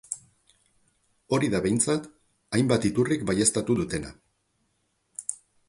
Hori da behintzat hainbat iturrik baieztatu dutena.